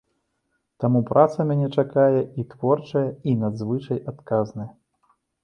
Таму праца мяне чакае і творчая, і надзвычай адказная.